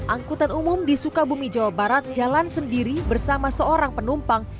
angkutan umum di sukabumi jawa barat jalan sendiri bersama seorang penumpang